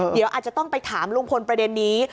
เดี๋ยวอาจจะต้องไปถามลุงพลประเด็นนี้